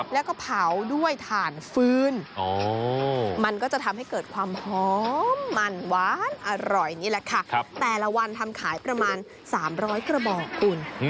แล้วก็เผาด้วยถ่านฟื้นมันก็จะทำให้เกิดความหอมมันหวานอร่อยนี่แหละค่ะแต่ละวันทำขายประมาณ๓๐๐กระบอกคุณ